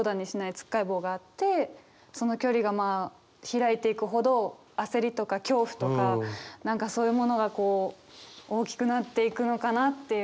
つっかえ棒があってその距離がまあ開いていくほど焦りとか恐怖とか何かそういうものが大きくなっていくのかなっていう。